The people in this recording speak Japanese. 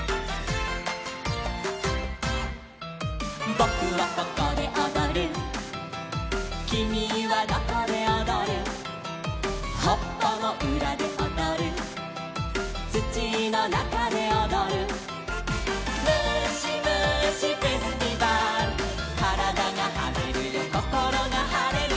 「ぼくはここでおどる」「きみはどこでおどる」「はっぱのうらでおどる」「つちのなかでおどる」「むしむしフェスティバル」「からだがはねるよこころがはれるよ」